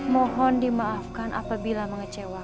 mohon dimaafkan apabila mengecewakan